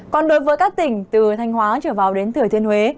còn đối với các tỉnh từ thanh hóa trở vào đến thừa thiên huế